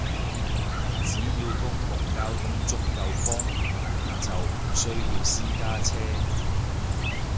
只要公共交通足夠方便，就唔需要私家車